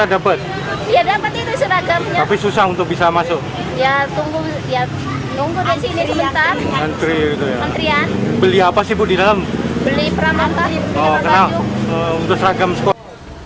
oh kenal untuk seragam sekolah